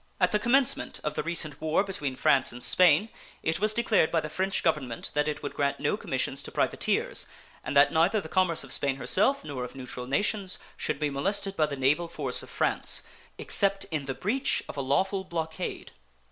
At the commencement of the recent war between France and Spain it was declared by the French Government that it would grant no commissions to privateers, and that neither the commerce of Spain herself nor of neutral nations should be molested by the naval force of France, except in the breach of a lawful blockade.